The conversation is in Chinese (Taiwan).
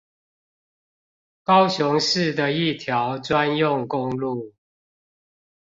高雄市的一條專用公路